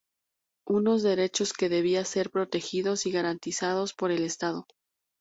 Unos derechos que debían ser protegidos y garantizados por el Estado.